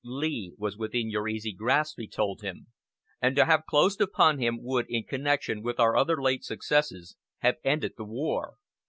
Lee "was within your easy grasp," he told him, "and to have closed upon him would, in connection with our other late successes, have ended the war.